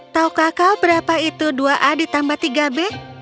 taukah berapa itu dua a ditambah tiga b